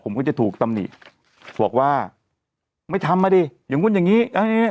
ผมก็จะถูกตำหนิบอกว่าไม่ทำมาดิอย่างนู้นอย่างนี้